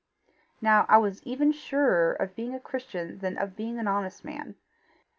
Now I was even surer of being a Christian than of being an honest man.